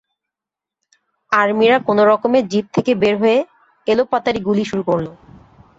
আর্মিরা কোনো রকমে জিপ থেকে বের হয়ে এলোপাতাড়ি গুলি শুরু করল।